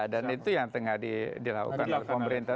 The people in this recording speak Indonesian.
dan itu yang tengah dilakukan oleh pemerintah